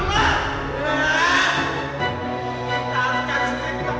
sini kita dapet pak